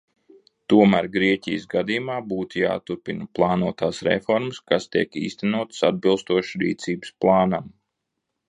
Tomēr Grieķijas gadījumā būtu jāturpina plānotās reformas, kas tiek īstenotas atbilstoši rīcības plānam.